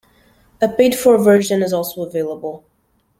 A paid-for version is also available.